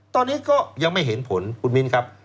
ตอนนี้ก็ยังไม่เห็นผลคุณมิ้นครับ